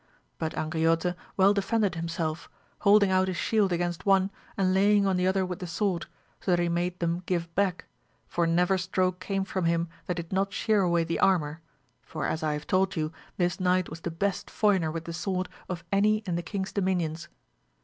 But Angriote well defended himself, holding out his shield against one and laying on the other with the sword, so that he made them give back, for never stroke came from him that did net shear away the armour, for as I have told you this knight was the best foyner with the sword of auy in the king's dominions.